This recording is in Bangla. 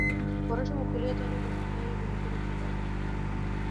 পরেশও মুখ তুলিয়া চাহিয়া বিনয়কে দেখিতে পাইলেন।